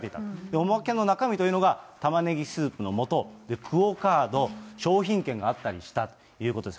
おまけの中身というのが、タマネギスープのもと、クオカード、商品券があったりしたということです。